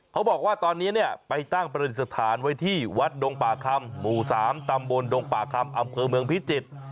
เขาบอกว่าตอนนี้เนี่ยไปตั้งประดิษฐานไว้ที่วัดดงป่าคำหมู่๓ตำบลดงป่าคำอำเภอเมืองพิจิตร